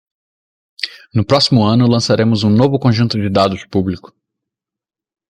No próximo ano, lançaremos um novo conjunto de dados público.